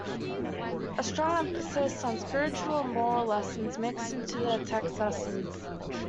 A strong emphasis on spiritual and moral lessons mixed into the text's lessons.